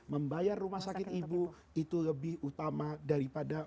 membayar rumah sakit ibu itu lebih utama daripada